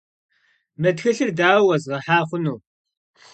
Mı txılhır daue yêzğeha xhunu?